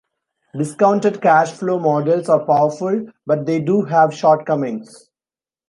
Discounted cash flow models are powerful, but they do have shortcomings.